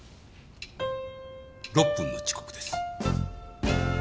６分の遅刻です。